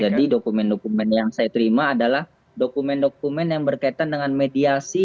jadi dokumen dokumen yang saya terima adalah dokumen dokumen yang berkaitan dengan mediasi